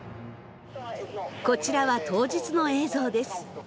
こちらは当日の映像です。